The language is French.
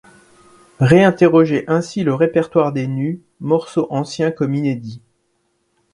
Ré interroger ainsi le répertoire des Nus, morceaux anciens comme inédit.